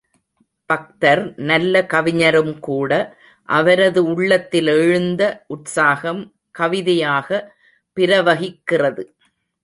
பக்தர் நல்ல கவிஞரும் கூட, அவரது உள்ளத்தில் எழுந்த உற்சாகம் கவிதையாக பிரவகிக்கிறது.